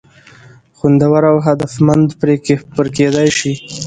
خوندور او هدفمند پر کېدى شي.